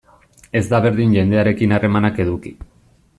Ez da berdin jendearekin harremanak eduki.